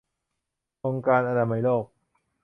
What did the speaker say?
องค์การอนามัยโลก